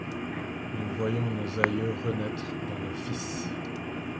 Nous voyons nos aïeux renaître dans nos fils ;